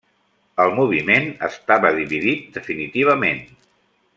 El moviment estava dividit definitivament.